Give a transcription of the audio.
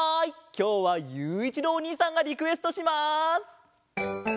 きょうはゆういちろうおにいさんがリクエストします。